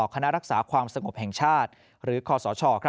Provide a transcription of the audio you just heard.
คณะรักษาความสงบแห่งชาติหรือคศ